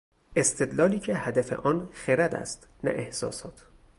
استدلالی که هدف آن خرد است نه احساسات